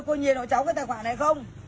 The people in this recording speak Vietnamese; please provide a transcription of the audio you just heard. cô nhìn hỏi cháu cái tài khoản này không